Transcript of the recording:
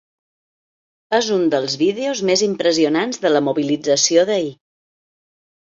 És un dels vídeos més impressionants de la mobilització d’ahir.